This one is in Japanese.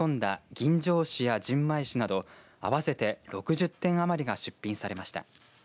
吟醸酒や純米酒など合わせて６０点余りが出品されました。